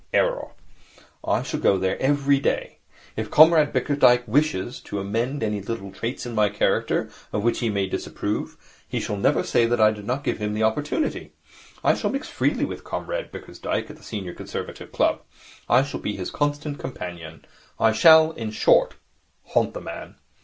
Error. I shall go there every day. If Comrade Bickersdyke wishes to emend any little traits in my character of which he may disapprove, he shall never say that I did not give him the opportunity. I shall mix freely with Comrade Bickersdyke at the Senior Conservative Club. I shall be his constant companion. I shall, in short, haunt the man.